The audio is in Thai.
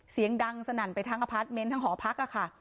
เสียงดังสนั่นไปทั้งอพาร์ทเมนต์ทั้งหอพักค่ะ